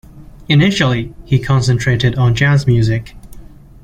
Initially he concentrated on jazz music.